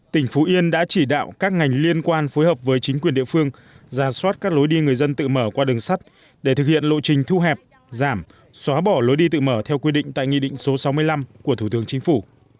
tỉnh phú yên đã chỉ đạo các ngành liên quan phối hợp với chính quyền địa phương ra soát các lối đi người dân tự mở qua đường sắt để thực hiện lộ trình thu hẹp giảm xóa bỏ lối đi tự mở theo quy định tại nghị định số sáu mươi năm của thủ tướng chính phủ